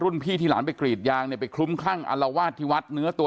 พี่ที่หลานไปกรีดยางเนี่ยไปคลุ้มคลั่งอัลวาดที่วัดเนื้อตัว